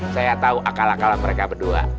saya tau akal akal mereka berdua